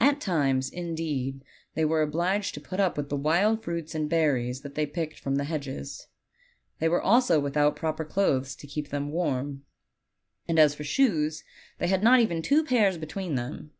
At times, in deed, they were obliged to put up with the wild fruits and berries that they picked from the hedges. They were also without proper clothes to keep them warm; and as for shoes, they had not even two pairs between them.